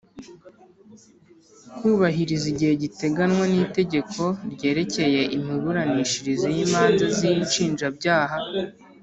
Kubahiriza igihe giteganywa n Itegeko ryerekeye imiburanishirize y imanza z inshinjabyaha